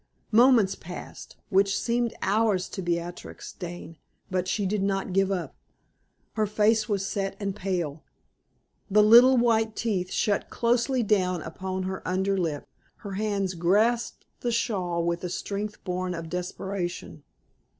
Moments passed, which seemed hours to Beatrix Dane, but she did not give up. Her face was set and pale, the little white teeth shut closely down upon her under lip, her hands grasped the shawl with a strength born of desperation.